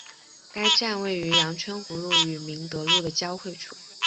该站位于杨春湖路与明德路的交汇处。